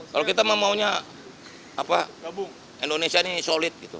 kalau kita mau maunya indonesia ini solid gitu